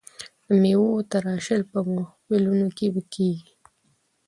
د میوو تراشل په محفلونو کې کیږي.